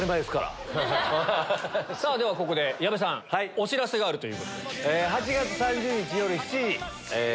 ではここで矢部さんお知らせがあるということで。